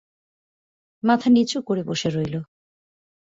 মাথা নিচু করে বসে রইল।